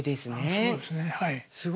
そうですねはい。